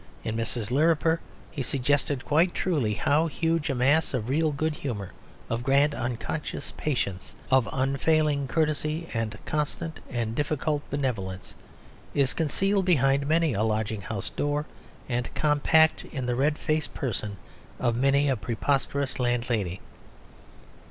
In Mrs. Lirriper he suggested quite truly how huge a mass of real good humour, of grand unconscious patience, of unfailing courtesy and constant and difficult benevolence is concealed behind many a lodging house door and compact in the red faced person of many a preposterous landlady.